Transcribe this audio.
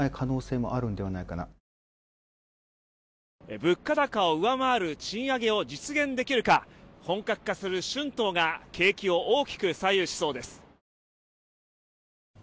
物価高を上回る賃上げを実現できるか本格化する春闘が景気を大きく左右しそうです。